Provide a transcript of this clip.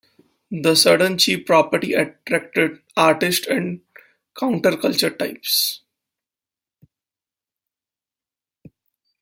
The suddenly cheap property attracted artists and counterculture-types.